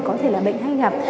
có thể là bệnh hay gặp